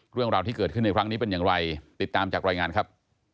เรื่องราวที่เกิดขึ้นในครั้งนี้เป็นอย่างไรติดตามจากรายงานครับ